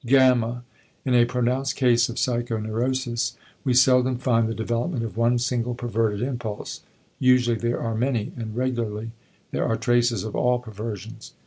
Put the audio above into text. Gamma. In a pronounced case of psychoneurosis we seldom find the development of one single perverted impulse; usually there are many and regularly there are traces of all perversions.